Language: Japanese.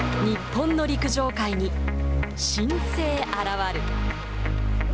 日本の陸上界に新星あらわる。